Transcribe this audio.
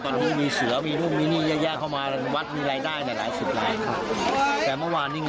ตอนนี้มีเสือมีลูกมีนี่เข้ามาวัดมีรายได้แต่หลายสิบล้าน